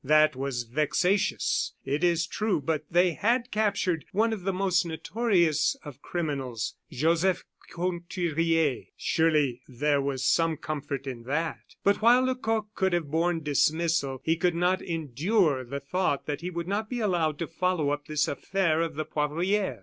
That was vexatious, it is true; but they had captured one of the most notorious of criminals Joseph Conturier. Surely there was some comfort in that. But while Lecoq could have borne dismissal, he could not endure the thought that he would not be allowed to follow up this affair of the Poivriere.